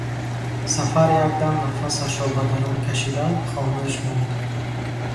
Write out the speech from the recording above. Сафар як дам нафасашро ба дарун кашида, хомӯш монд.